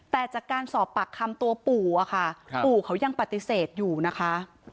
แต่จากการสอบปากคำตัวปู่อะค่ะปู่เขายังปฏิเสธอยู่นะคะ